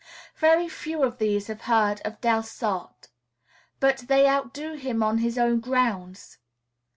Very few of these have heard of Delsarte; but they outdo him on his own grounds.